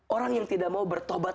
orang yang tidak mau bertobat